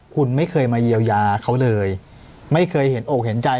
คุณไม่เคยมาเยียวยาเขาเลยไม่เคยเห็นอกเห็นใจ